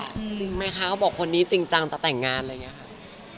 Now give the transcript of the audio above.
จริงไหมคะเขาบอกคนนี้จริงจังจะแต่งงานอะไรอย่างนี้ค่ะ